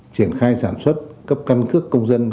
triển khai sản xuất cấp căn cước công dân